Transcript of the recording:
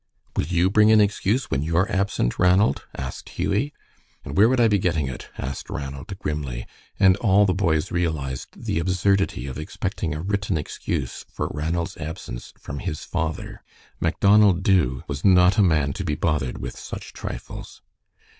"Will YOU bring an excuse when you're absent, Ranald?" asked Hughie. "And where would I be getting it?" asked Ranald, grimly, and all the boys realized the absurdity of expecting a written excuse for Ranald's absence from his father. Macdonald Dubh was not a man to be bothered with such trifles.